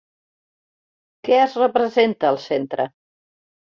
Què es representa al centre?